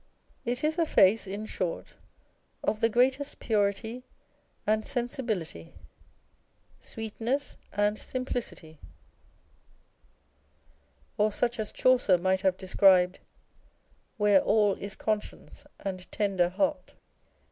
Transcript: It is a face, in short, of the greatest purity and sensibility, sweetness and simplicity, or such as Chaucer might have described Where all is conscience and tender heart.